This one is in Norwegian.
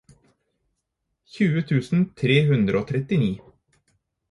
tjue tusen tre hundre og trettini